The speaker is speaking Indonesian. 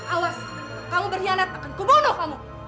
awas kamu berhianat akan kubunuh kamu